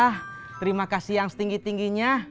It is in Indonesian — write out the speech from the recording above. terima kasih yang setinggi tingginya